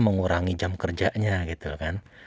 mengurangi jam kerjanya gitu kan